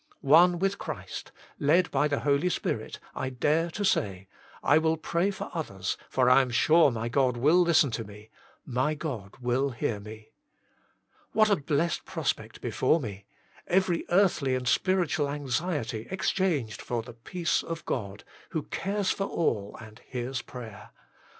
One with Christ, led by the Holy Spirit, I dare to say :" I will pray for others, for I am sure my God will listen to me : My God will hear me. " What a blessed prospect before me every earthly and spiritual anxiety exchanged for the peace of God, who cares for all and hears prayer.